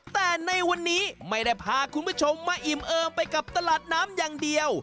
แต่ในวันนี้ไม่ได้พาคุณผู้ชมมาอิ่มเอิมไปกับตลาดน้ำอย่างเดียว